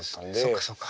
そっかそっか。